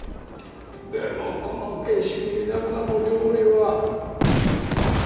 でもこの景色見ながらの料理は。